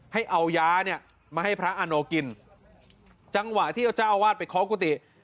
ให้เอายาเนี่ยมาให้พระอาโนกินจังหวะที่เอาเจ้าอาวาสไปเคาะกุฏิ